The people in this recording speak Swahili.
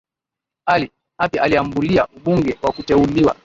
ally hapi aliambulia ubunge wa kuteuliwa